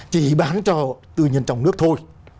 chỉ bán cho tư nhân trong nước thôi